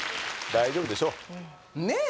大丈夫でしょうねえ